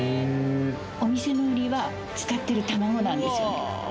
お店の売りは使ってる卵なんですよね